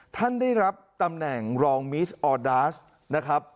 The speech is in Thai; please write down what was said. ท่านได้รับตำแหน่งรองมิสออดาสนะครับ